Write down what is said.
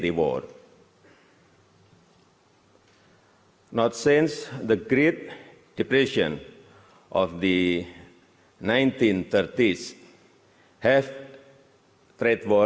apa yang terjadi di dunia ekonomi hari ini